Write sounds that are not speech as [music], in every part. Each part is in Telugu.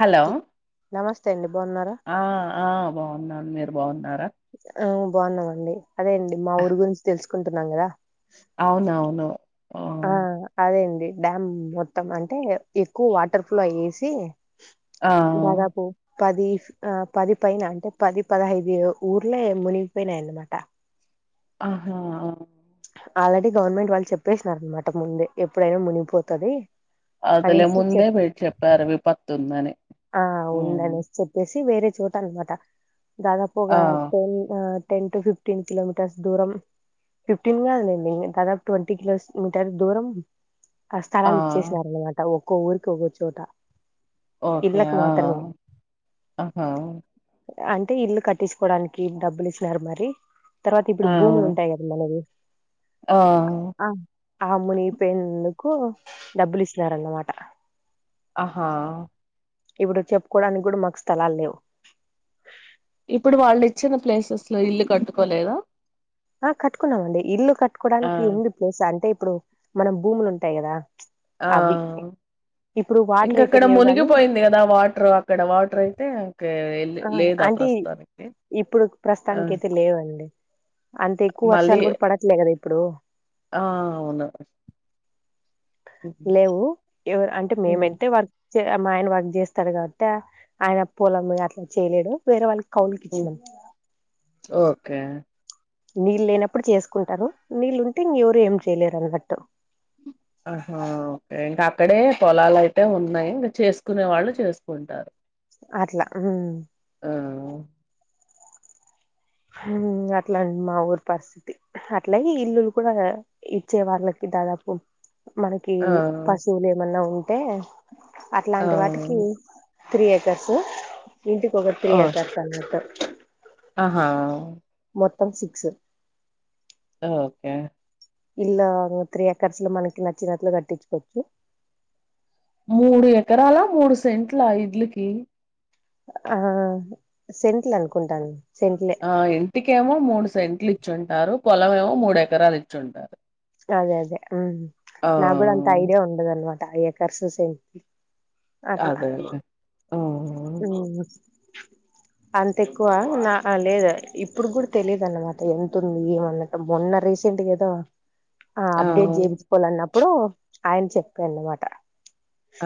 హలో నమస్తే అండి బాగున్నారా ఆ ఆ బాగున్నాను మీరు బాగున్నారా ఆ బాగున్నామండి అదే అండి మా ఊరు గురించి తెలుసుకుంటున్నాం కదా అవునవును ఆ అదే అండి డ్యామ్ మొత్తం అంటే ఎక్కువ వాటర్ ఫ్లో ఏసి ఆ దాదాపు పది ఆ పది పైన అంటే పది పదహైదు ఊర్లే మునిగిపోయినయి అన్నమాట ఆహా ఆ ఆల్రెడీ గవర్నమెంట్ వాళ్ళు చెప్పేసినారన్నమాట ముందే ఎప్పుడైనా మునిగిపోతది అదెలే అనేసి ముందే చెప్ చెప్పారు విపత్తు ఉందని ఆ ఉమ్ ఉందనేసి చెప్పేసి వేరే చోట అన్నమాట ఆ దాదాపుగా ten ten to fifteen kilometres దూరం ఫిఫ్టీన్ కాదులేండి దాదాపు ట్వంటీ కిలోమీటర్ దూరం ఆ స్థలాలు ఇచ్చేసినారన్నమాట ఒక్కో ఊరికి ఒక్కో చోట ఓకే ఇళ్ళలకు ఆ మాత్రమే ఆహా అంటే ఇల్లు కట్టించుకోవడానికి డబ్బులు ఇచ్చినారు మరి తర్వాత ఆ ఇప్పుడు భూములు ఉంటాయి కదా మనది ఆ ఆ మునిగిపోయినందుకు డబ్బులు ఇచ్చినారన్నమాట ఆహా ఇప్పుడు చెప్పుకోవడానికి కూడా మాకు స్థలాలు లేవు ఇప్పుడు వాళ్ళు ఇచ్చిన ప్లేసెస్ లో ఇల్లు కట్టుకోలేదా ఆ కట్టుకున్నామండి ఇల్లు ఆ కట్టుకోవడానికి ఉంది ప్లేస్ అంటే ఇప్పుడు మనం భూములు ఉంటాయి కదా ఆ అవి ఇప్పుడు వాటర్ ఇంకా అయితే అక్కడ లేవు గాని మునిగిపోయింది కదా వాటర్ అక్కడ వాటర్ అయితే ఆ లేదు అంటె ప్రస్తుతానికి ఇప్పుడు ఆ ప్రస్తుతానినికైతే లేవండి అంత ఎక్కువ మళ్ళీ వర్షాలు కూడా పడట్లే కదా ఇప్పుడు ఆ అవును హుహు. లేవు ఎవరు అంటే హ్మ్ మేమైతే వర్ మా ఆయన వర్క్ చేస్తడు కాబట్టి ఆయన పొలము అట్ల చేయలేడు వేరే వాళ్ళకి హ్మ్ కౌలుకిచ్చినం ఓకే నీళ్ళు లేనప్పుడు చేసుకుంటరు నీళ్లుుంటే ఇంగ ఎవరు ఏం చేయలేరన్నట్టు ఆహా ఓకే ఇంకా అక్కడే పొలాలయితే ఉన్నాయి ఇంకా చేసుకునే వాళ్ళు చేసుకుంటారు అట్లా ఉమ్ ఆ అట్లా మా ఊరు పరిస్థితి అట్లా ఇల్లులు కూడా ఇచ్చే వాళ్ళకి దాదాపు మనకి ఆ పశువులు ఏమన్నా ఉంటే ఆ అట్లాంటి వాటికి త్రీ ఏకర్స్ ఇంటికి ఒక త్రీ ఓ ఏకర్స్ అనమాట ఆహా మొత్తం సిక్స్ ఓకే ఇల్లా త్రీ ఎకర్స్ లో మనకి నచ్చినట్లు కట్టించుకోవచ్చు మూడు ఎకరాల మూడు సెంట్లా ఇడ్లుకి ఆ సెంట్లు అనుకుంటాను సెంట్లే ఆ ఇంటికేమో మూడు సెంట్లు ఇచ్చుంటారు పొలంమేమో మూడు ఎకరాలు ఇచ్చుంటారు అదే అదే ఆ నా కూడా అంత ఐడియా ఉండదు అన్నమాట ఎకర్సు సే అట్లా అదేలే ఆ మ్ అంత ఎక్కువ నా లేదా ఇప్పుడు కూడా తెలిదు అన్నమాట ఎంతుంది ఏమన్నట మొన్నర రీసెంట్కి దా ఆ అప్డేట్ చేయించుకోవాలన్నప్పుడు ఆయన చెప్పాడు అన్నమాట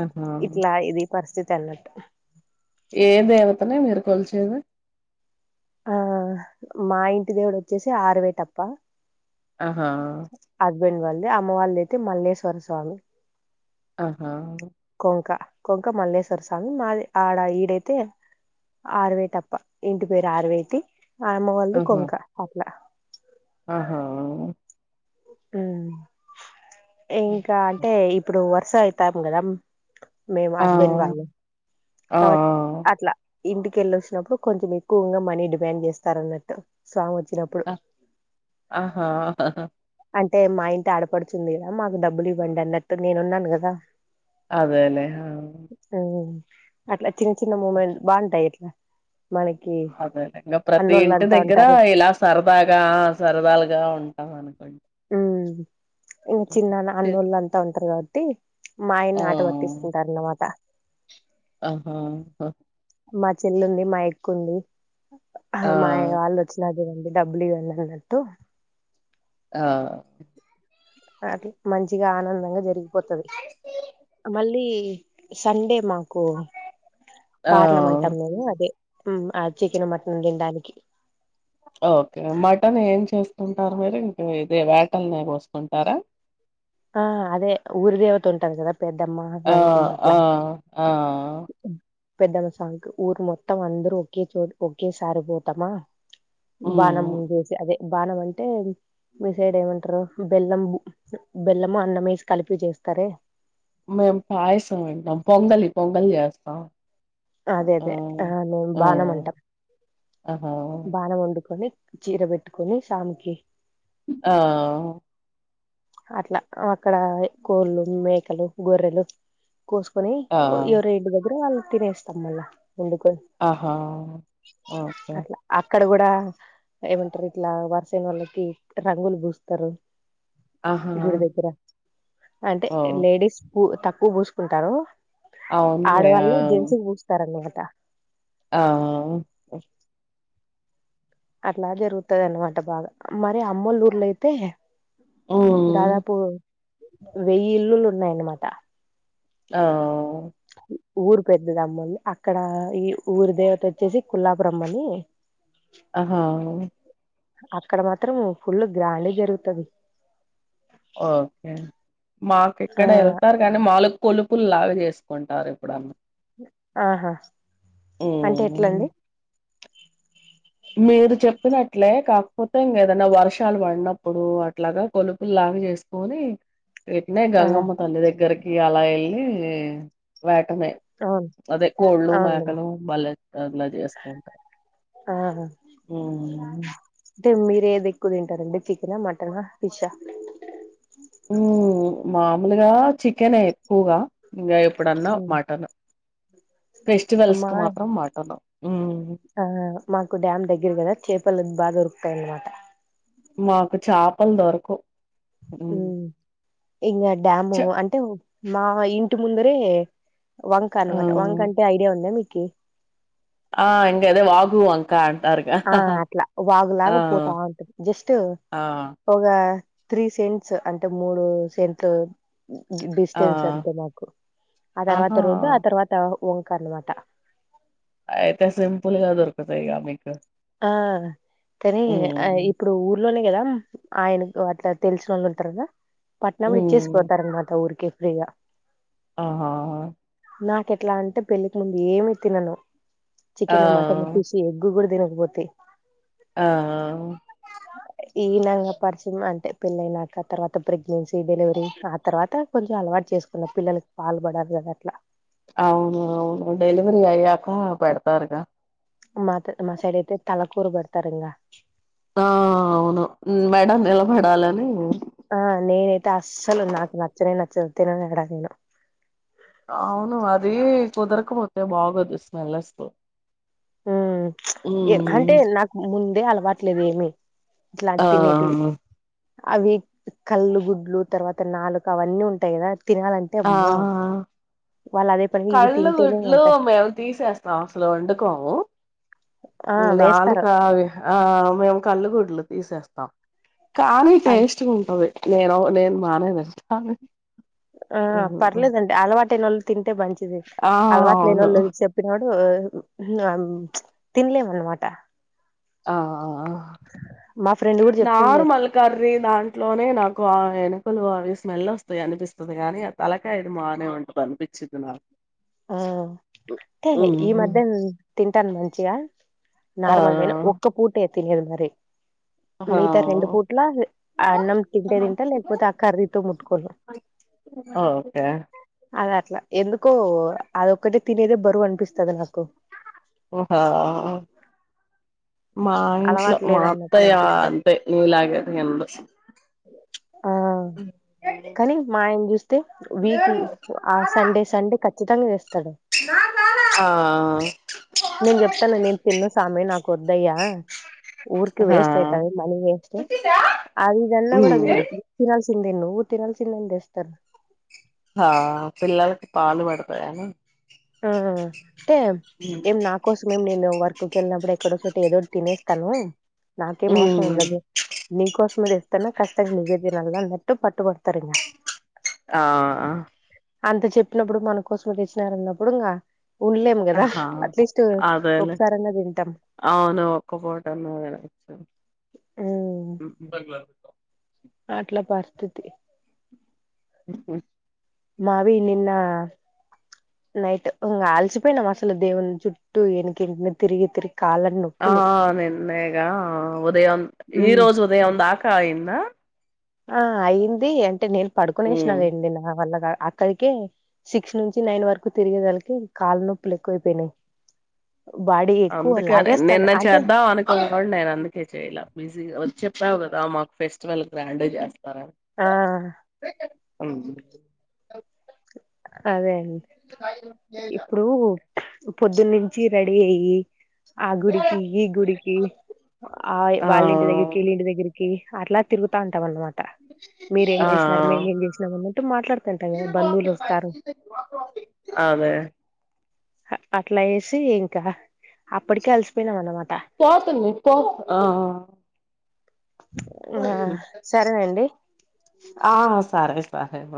ఆహా ఇట్లా ఇది పరిస్థితి అన్నట్టు ఏ దేవతన మీరు కొల్చేది ఆ మా ఇంటి దేవుడు వచ్చేసి ఆరవేటప్ప ఆహా అమ్మ వాళ్ళదైతే మల్లేశ్వర స్వామి ఆహా కొంక కొంక మల్లేశ్వర స్వామి మాది ఆడ ఈడైతే ఆరవేటప్ప ఇంటి పేరు ఆరవేటి ఆమ్మ వాల్ది ఆహా కొంక అట్లా ఆహా ఇంకా అంటే ఇప్పుడు వర్ సైతాం కదా మేము ఆ ఆ హస్బెండ్ వాళ్ళు ఆ! కాబట్టి అట్లా ఇంటికెళ్ళ వచ్చినప్పుడు కొంచెం ఎక్కువగా మనీ డిమాండ్ చేస్తార అన్నట్టు స్వాంగ్ ఆ ఆహా హహ అంటే మా ఇంటి ఆడపడుచుంది కదా మాకు డబ్బులు ఇవ్వండి అన్నట్టు నేను ఉన్నాను కదా అదేలేే ఉమ్ అట్లా చిన్న చిన్న మూమెంట్ బాగుంటాయిట్లా అదే ఇంకా ప్రతి ఇంటి దగ్గర ఉంటారు ఇలా సరదాగా సరదాలుగా ఉం అవునను కో ఉ ఇంకా చిన్నన్న చేతు అన్నోళ్ళు అంతా ఉంటారు కాబట్టి మా ఆ ఆయన్న ఆట వట్తిస్తుంటారన్నమాట ఆహాహ మా చెల్లుంది మా ఎక్కఉంది ఆ మా వాళ్ళు వచ్చిన డి డబ్బులిగాన్నటు ఆ అ మంచిగా ఆనందంగా జరిగిపోతుది మళ్ళీ ఈ సండే మాకు ఆ పార్లమెంట్ అనేది అదే ఆ చికెన్ మటన్ తినడానికి ఓకే మటన్ ఏం చేసుకుంటారు మీరు ఇంక ఇదే వేటలనే పోసుకుంటారా ఆ అదే ఊరి దేవత ఉంటారు కదా పెద్దమ్మ ఆ గంగమ్మ ఆ అట్లా ఆ పెద్దమ్ సాకు ఊరు మొత్తం అందరుూ ఒకే చో ఒకే సారిపోతామా హ్మ్. బాణ ము చేేసి అదే బాణం అంటే మీ సైడ్ ఏమంటారు బెల్లం బెల్లము అన్నం వేసి కలిపి చేస్తారే మేము పాయసం ఇంకా పొంగలి పొంగలి చేస్తాం అదే అదే ఆ నేను ఆ బాణం అంటాం ఆహా బాణం వండుకొని చీర పెట్టుకొని సామికి ఆ అట్లా అక్కడ కోళ్ళు మేకలు గొర్రెలు కోసుకొని ఆ ఎవరో ఇంటి దగ్గర వాళ్ళు తినేస్తాం మళ్ళా ఎందుకు ఆహా ఓకే అట్లా అక్కడ కూడా ఏమంటారు ఇట్లా వరుసన వాళ్ళకి రంగులు పూస్తారు ఆహా గుడి దగ్గర అంటే ఓ లేడీస్ పూ తక్కువ పూసుకుంటారు అవునులే ఆ ఆడవాళ్ళని జెన్సి పూస్తారన్నమాట ఆ అట్లా జరుగుతది అనమాట బాగా మరి అమ్మలఊర్లోయితే ఆ వెయ్యి ఇల్లులు ఉన్నాయన్నమాట ఆ ఊరు పెద్దద అమ్మ అక్కడ ఈ ఊరి దేవత వచ్చేసి కుల్లాపురం అని ఆహా అక్కడ మాత్రం ఫుల్ గ్రాంండీ జరుగుతుది ఓకే మాకు ఆ ఇక్కడ వెళ్తారు కానీ మాలు కొలుపులు లావి చేసుకుంటారు ఇప్పుడున్న ఆహా అంటే హ్మ్ ఎట్లండి మీరు చెప్ చెప్పినట్లే కాకపోతే ఇంక ఏదనా వర్షాలు పడినప్పుడు అట్లాగా కొలుపులులాగా చేసుకొని వెంటనే ఆహా గంగమ్మ తల్లి దగ్గరకి అలా వెళ్ళి ే అవును అదే కోళ్ళు అవునులేండి మేకలు మళ్ళ అందులా చేస్తూ ఉంటారు ఓ అే మీర ఏది ఎక్కువ తింటారండి చికెనా మటనా ఫిష్ా ఉ మామూలుగా చికెనే ఎక్కువగా ఇంకా ఎప్పుడన్నా మాటను ఫెస్టివల్స్ అమ్మా కు మాత్రం మాటను ఆ మాకు డ్యామ్ దగ్గర కదా చేపలు బాగా దొరుకుతాయిన్నమాట మాకు చేపలు దొరకు ఇంకా చ డ్యాము అంటే మా ఇంటి ముందరే వంక అనమాట వంక హ్మ్. అంటే ఐడియా ఉందా మీకు ఆ ఇంగ ఏదో వాగు అంకా ఆ అట్లా వాగులాగా పోతా ఉంటుంది జస్ట్ ఆ ఒక త్రీ సెంట్స్ అంటే మూడు సెంట్ ఆ డిస్టెన్స్ అంతే మాకు ఆ ఆహా తర్వాత రోడ్డు ఆ తర్వాత కర్మాట అతే సింపల్గా దొరకతుా మీకు ఆ కానీ మ్మ్ ఇప్పుడు ఊర్లోనే కదా ఆయనకు అట్లా తెలుసు అనుకుంటారు కదా పట్నంలో ఇచ్చేసి మ్మ్ పోతారునమాట ఊరికి ప్రయా ఆహా నాక ఎట్లా అంటే పెళ్ళికి ముందు ఏమి తినను ఆ చికెన్ మటన్ పిసి ఎగ్గు కూడా తినకపోతు ఆ ఈనంగా పరిచయం అంటే పెళ్ళైనాక తర్వాత ప్రెగ్నెన్సీ డెలివరీ ఆ తర్వాత కొంచెం అలవాటు చేసుకున్న పిల్లలకి పాల్లు పడారు కదా అట్లా అవును అవును డెలివరీ అయ్యాక పెడతారుగా మాత మా సైడ్ అయితే తలకూరు పెడతారుంగా ఆ అవును బయట నిలబడాలని ఆ నేనైతే అస్సలు నాకు నచ్చనే నచ్చదు తినను యాడా నేను అవును అది కుదరకపోతే బాగోదు స్మెల్ వస్త ఉ ఏ హంటే నాకు ముందే అలవాట్లేదు ఏమి ఇట్లా ఆ తినేటివి అవి కళ్ళు గుడ్లు తర్వాత నాలుకా అవన్నీ ఉంటాయ్ గదా తినాలంటే ఆ అమ్మా వాళ్ళు అదే పనిగా ఇవి కళ్ళు తింటేనే గుడ్లు అంట మేము తీసేస్తాం అసలు వండుకోము ఆ ఇంగ వేస్తారు నాలుకా అవి ఆ మేము కల్ళు గుడ్లు తీసేస్తాం కానీ అన్ టేస్టుగంటది నేను నేను బానే [unintelligible] ఆ ఉహు పర్లేదండి అలవాటైనోళ్ళు తింటే మంచి ది ఆ అలవాట్ అవును లేనోళ్ళు చెప్పినప్పుడు అం తిండ్లేమ్ అనమాట ఆ ఫ్రెండ్ కూడా చెప్తుంది నార్మల్ కర్రీ దాంట్లోనే నాకు ఆయన ముక్కలు అవి స్మెల్ వస్తాయి అనిపిస్తది గానీ ఆ తలకాయ్ అది మానే ఉంటది అనిపిచ్చిద్ది నాకు ఆ అంటే ఈ ఉహు మధ్యన్ తింటాన్ మంచిగా ఆ నార్మల్ నేను ఒక్క పూటే తినేది మరి హా మిగతా రెండు పూట్ల ఆ అన్నం తింటే దింటా లేకపోతే ఆ కర్రీతో ముట్టుకోను ఓకే అద అట్లా ఎందుకో అదొక్కటే తినేదే బరువు అనిపిస్తది నాకు ఒహా మా ఇట్లో అలవాటు లేదన్నట్లు అత్తయ్యా అనిపిస్తది అంతే నీలాగేదిందు ఆ కానీ మాయన జూస్తే వీకు ఆ సండే సండే క తంగ్ తెస్ ఆ నేను జెప్తాను నేను తిన్ను సామి నాకొద్దయ్యా ఊరుకె హా వేస్ట్ అయితది మనీ వేస్టే అది ఇది అన్న గూడా ఉమ్ విండు తిన ల్సిందే నువ్వు తినాల్సిందే అని దెస్తరు హా పిల్లలకి పాలు బడుతాగని ఆ అంటే ఏం నా కోసమేమ్ నేను వర్ కు ఎళ్ళినబ్బుడు ఎక్కడో చోట ఏదోటి తినేస్తను నాకేం అవసరం ఉమ్ ఉండదు నీకోసమే దెస్తను కష్టంగ నువ్వే దినల్ల అనట్టు పట్టుబడు ఆ అంత చెప్పినప్పుడు మన కోసమే దెచ్చినారు అన్నప్పుడు ఇంగా ఉండ్లేమ్ గదా ఆహా అట్లీస్టు అదేలే ఒకసారన్న దింటాం అవును ఒక్క ఫూట అన్నావ్ గదా ఉమ్ మర్చి అట్లా పరిస్థితి ఉహు నావి నిన్న నైట్ ఉంగ అలిచిపోయినామ్ అసలు దేవుని చుట్టు ఎనికెనికనె తిరిగి తిరి ఆ నిన్నేగా ఉదయమ్ ఈ ఉమ్ రోజు ఉదయం దాక అయిందా ఆ అయ్యింది అంటే నేను పడుకునేసినా ఉమ్ లేండి నా వల్లగా అక్కడికే సిక్స్ నుంచి నైన్ వరకు తిరిగేదలకే కాళ్ళ నొప్పులు ఎక్కువైపోయినాయ్ అందుకనే లాగేస్తాంది నిన్న అంటే చేద్దాం అనుకోంటి గాని నేను అందుకే చేయలే బిజీ వచ్చే చెప్పావ్ గదా మాకు ఫెస్టివల్ గ్రాండ్ జేస్త ఆ అందుకే అదే అం లే పొద్దునుంచి రెడీ అయ్యి ఆ గుడికి ఈ గుడికి ఆ వాళ్ళింటి దగ్గరికి ఇళ్ళింటి దగ్గరికి అట్లా తిగుతా ఉంటాం అన్నమా ట మీరేం ఆ చేసినారు మేము ఏం చేసినా అన్నట్టు మాట్లాడుతుంటాం కదా బంధువులోస్ ఆమె హ అట్లా ఏసి ఇంకా అప్పటికే అలిసిపోయినాం అన్నమా ఆ ఆ సరేనండి ఆ సరే పేవ